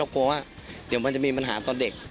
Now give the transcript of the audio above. กลัวว่าเดี๋ยวมันจะมีปัญหาตอนเด็ก